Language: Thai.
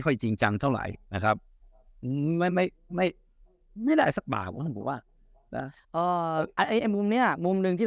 ค่อยจริงจังเท่าไหร่นะครับไม่ได้สักบาทว่ามุมนึงที่